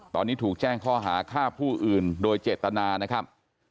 ตอนนี้ถูกแจ้งข้อหาฆ่าผู้อื่นโดยเจตนานะครับ